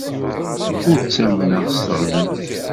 Ur ttamneɣ s teɣdemt.